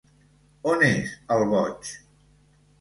On és el boig?